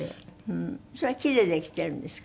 それは木でできてるんですか？